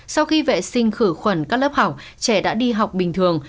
sau khi vệ sinh khử khuẩn các lớp học trẻ đã đi học bình thường